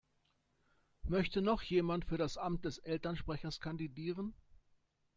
Möchte noch jemand für das Amt des Elternsprechers kandidieren?